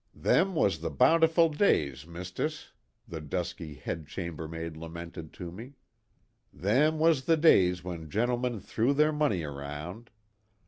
" Them was the bountiful days, Mistiss," the dusky head chambermaid lamented to me ; "them was the days when gentlemen threw their money around."